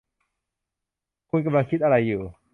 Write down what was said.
คุณกำลังคิดอะไรอยู่ ?